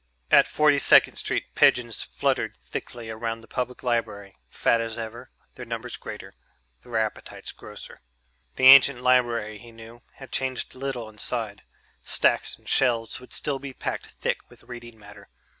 At Forty second Street pigeons fluttered thickly around the public library, fat as ever, their numbers greater, their appetites grosser. The ancient library, he knew, had changed little inside: stacks and shelves would still be packed thick with reading matter.